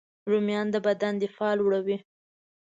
رومیان د بدن دفاع لوړوي